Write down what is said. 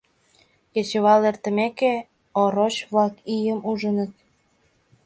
Кечывал эртымеке, ороч-влак ийым ужыныт.